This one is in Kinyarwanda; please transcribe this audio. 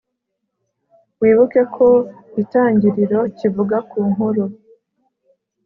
wibuke ko itangiriro kivuga ku nkuru